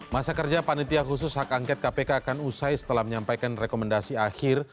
masa kerja panitia khusus hak angket kpk akan usai setelah menyampaikan rekomendasi akhir